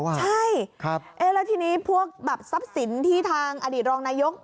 ใช่แล้วทีนี้พวกซับสินที่ทางอดีตรองนายก